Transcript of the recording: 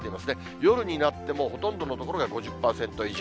夜になってもほとんどの所が５０％以上。